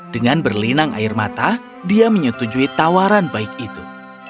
dengan berlinang air mata dia menyetujui tawaran baik itu